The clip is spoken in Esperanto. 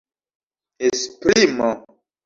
esprimo